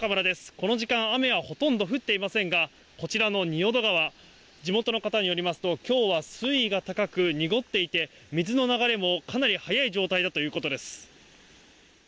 この時間、雨はほとんど降っていませんが、こちらの仁淀川、地元の方によりますと、きょうは水位が高く、濁っていて、水の流れもかなり速い状態だということです。